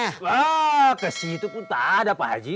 wah kesitu pun tak ada pak haji